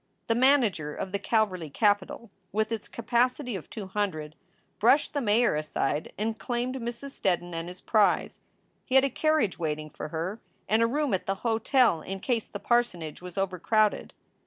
The manager of the Calverly Capitol, with its capacity of two hundred, brushed the mayor aside and claimed Mrs. Steddon and his prize. He had a carriage waiting for her, and a room at the hotel in case the parsonage was over crowded.